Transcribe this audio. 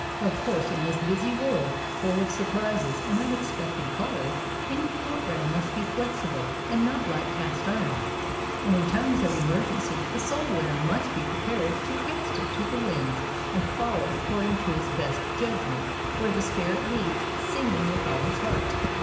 Of course in this busy world, full of sur prises and unexpected calls, any program must be flexible and not like cast iron, and in times of emergency the soul winner must be prepared to cast it to the winds and follow according to his best judgment where the Spirit leads, singing with all his heart: 54 THE soul winner's secret.